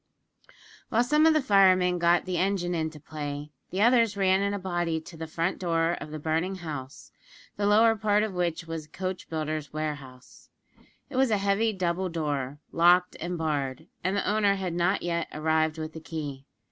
While some of the firemen got the engine into play, the others ran in a body to the front door of the burning house, the lower part of which was a coach builder's warehouse. It was a heavy double door, locked and barred, and the owner had not yet arrived with the key.